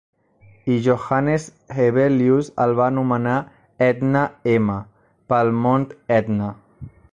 I Johannes Hevelius el va anomenar "Etna M." pel mont Etna.